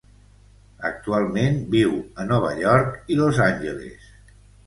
Actualment viu a Nova York i Los Angeles.